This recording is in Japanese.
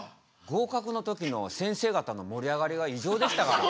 合かくの時の先生方の盛り上がりが異常でしたから。